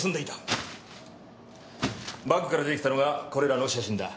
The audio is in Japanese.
バッグから出てきたのがこれらの写真だ。